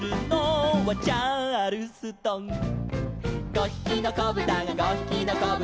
「５ひきのこぶたが５ひきのこぶたが」